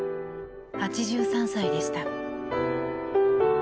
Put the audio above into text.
８３歳でした。